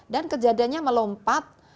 dan kejadiannya melompat